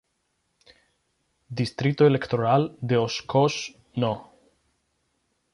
Distrito electoral de Oshkosh No.